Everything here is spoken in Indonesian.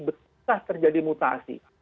apakah terjadi mutasi